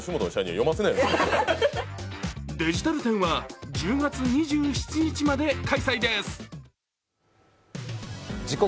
デジタル展は１０月２７日まで開催です。